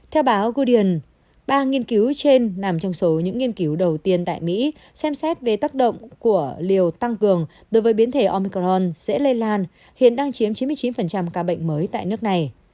theo báo guden ba nghiên cứu trên nằm trong số những nghiên cứu đầu tiên tại mỹ xem xét về tác động của liều tăng cường đối với biến thể omicron dễ lây lan hiện đang chiếm chín mươi chín ca bệnh mới tại nước này